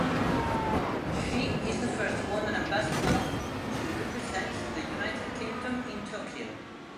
She is the first woman ambassador to represent the United Kingdom in Tokyo.